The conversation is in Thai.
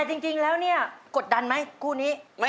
แต่จริงแล้วเนี่ยกดดันไหมคู่นี้